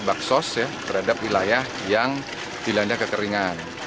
baksos terhadap wilayah yang dilanda kekeringan